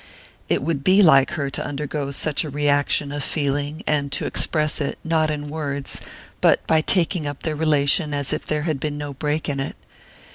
It would be like her to undergo such a reaction of feeling, and to express it, not in words, but by taking up their relation as if there had been no break in it.